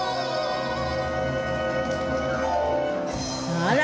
あら！